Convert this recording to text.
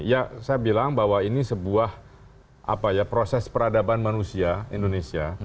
ya saya bilang bahwa ini sebuah proses peradaban manusia indonesia